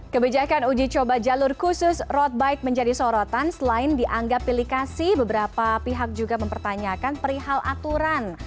kebijakan uji coba jalur khusus road bike menjadi sorotan selain dianggap pilikasi beberapa pihak juga mempertanyakan perihal aturan